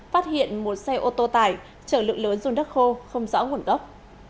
phát hiện một xe ô tô tải trở lượng lớn dùng đất khô không rõ nguồn gốc